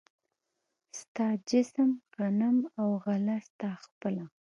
ستا جسم، غنم او غله ستا خپله